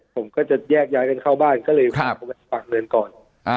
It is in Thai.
ผมก็จะแยกย้ายกันเข้าบ้านก็เลยพาผมไปฝากเงินก่อน